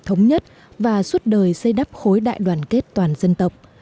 thống nhất và suốt đời xây đắp khối đại đoàn kết toàn dân tộc